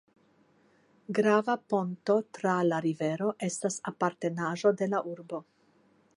Grava ponto tra la rivero estas apartenaĵo de la urbo.